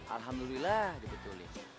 alhamdulillah diberi tulis